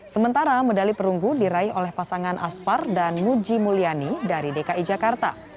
sementara medali perunggu diraih oleh pasangan aspar dan muji mulyani dari dki jakarta